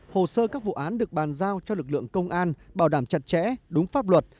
hồ sơ các vụ án được bàn giao cho lực lượng công an bảo đảm chặt chẽ đúng pháp luật